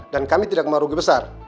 dan kami tidak mau rugi besar